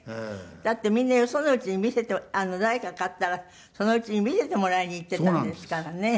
だってみんなよその家に誰か買ったらその家に見せてもらいに行っていたんですからね。